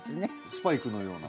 スパイクのような？